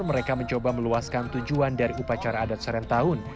mereka mencoba meluaskan tujuan dari upacara adat serentahun